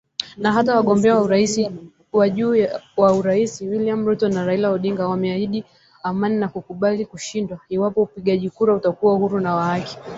Na hata wagombea wa juu wa urais William Ruto na Raila Odinga wameahidi amani na kukubali kushindwa iwapo upigaji kura utakuwa huru na wa haki